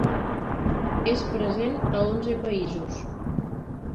És present a onze països.